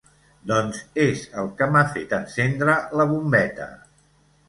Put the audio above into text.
Doncs és el que m'ha fet encendre la bombeta.